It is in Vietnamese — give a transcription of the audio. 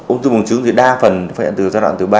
ung thư buồng trứng thì đa phần phát hiện ra giai đoạn từ ba bốn